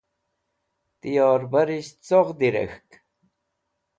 Ti yorbarisht coghdi rek̃hk?